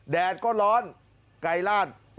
แดดก็ร้อนไกลลาด